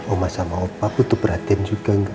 oma sama opa butuh perhatian juga